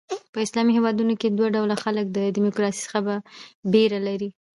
په اسلامي هیوادونو کښي دوه ډوله خلک د ډیموکراسۍ څخه بېره لري.